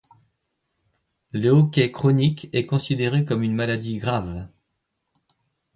Le hoquet chronique est considéré comme une maladie grave.